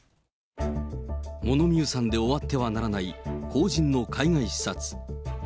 物見遊山で終わってはならない公人の海外視察。